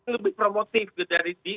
lebih promosif gitu